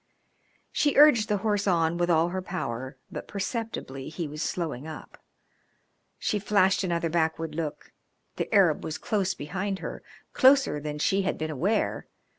She urged the horse on with all her power, but perceptibly he was slowing up. She flashed another backward look. The Arab was close behind her closer than she had been aware.